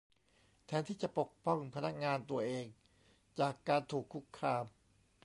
แทนที่จะปกป้องพนักงานตัวเอง จากการถูกคุกคาม